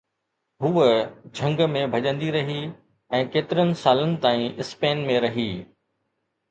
هوءَ جهنگ ۾ ڀڄندي رهي ۽ ڪيترن سالن تائين اسپين ۾ رهي